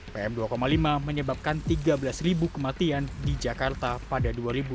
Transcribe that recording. pm dua lima menyebabkan tiga belas kematian di jakarta pada dua ribu dua puluh